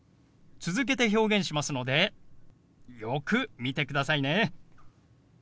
続けて表現しますのでよく見てくださいね。